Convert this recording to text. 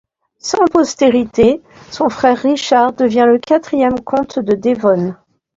Sans postérité, son frère Richard devient le quatrième comte de Devon.